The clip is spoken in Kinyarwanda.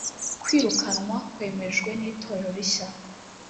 kwirukanwa kwemejwe n itorero rishya